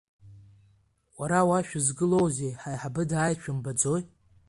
Уара, уа шәызгылоузеи, ҳаиҳабы дааит шәымбаӡои?